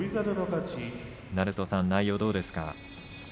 鳴戸さん、内容はどうですか。